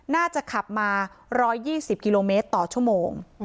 น่าจะขับมา๑๒๐กิโลเมตรต่อชั่วโมง